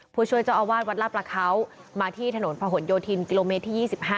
ผู้ช่วยเจ้าอาวาสวัดลาประเขามาที่ถนนพะหนโยธินกิโลเมตรที่๒๕